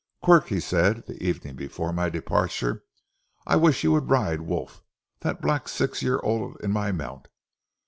"Quirk," said he, the evening before my departure, "I wish you would ride Wolf, that black six year old in my mount.